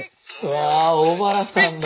わあ小原さんだ。